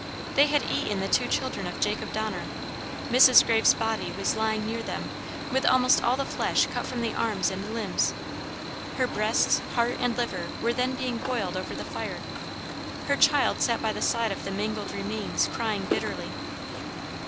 They had eaten the two children of Jacob Donner: Mrs. Graves' body was lying near them with almost all the flesh cut from the arms and limbs. Her breasts, heart, and liver were then being boiled over the fire. Her child sat by the side of the mangled remains crying bitterly.